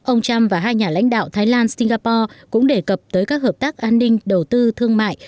ông trump và hai nhà lãnh đạo thái lan singapore cũng đề cập tới các hợp tác an ninh đầu tư thương mại